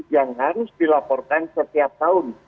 yang harus dilaporkan setiap tahun